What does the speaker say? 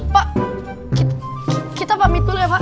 pak kita pamit dulu ya pak